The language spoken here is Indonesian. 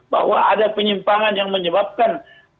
bahwa ada penyimpangan yang menyebabkan